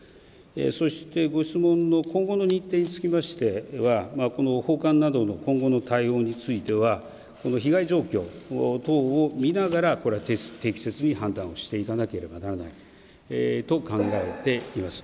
そして、ご質問の今後の日程につきましてはほうかんなどの今後の対応については被害状況等を見ながら適切に判断していかなければならないと考えています。